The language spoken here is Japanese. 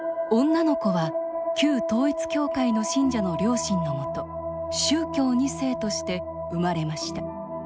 女の子は旧統一教会の信者の両親のもと宗教２世として生まれました。